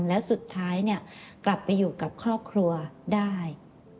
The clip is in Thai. แล้วสุดท้ายกลับไปอยู่กับครอบครัวได้